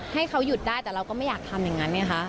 ให้เขาหยุดได้แต่เราก็ไม่อยากทำอย่างนั้นไงคะ